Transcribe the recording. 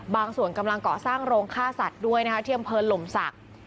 บางส่วนกำลังก่อสร้างโรงค่าสัตว์ด้วยนะฮะเที่ยมเพิร์นลมศักดิ์